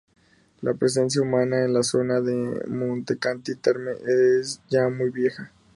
La presencia humana en la zona de Montecatini Terme es ya muy vieja.